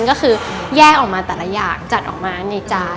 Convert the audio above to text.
ก็คือแยกออกมาแต่ละอย่างจัดออกมาในจาน